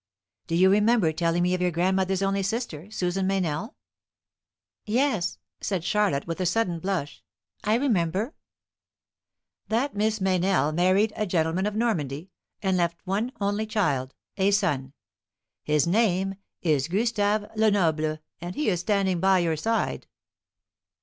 "Do you remember telling me of your grandmother's only sister Susan Meynell?" "Yes," said Charlotte, with a sudden blush; "I remember." "That Miss Meynell married a gentleman of Normandy, and left one only child, a son. His name is Gustave Lenoble, and he is standing by your side.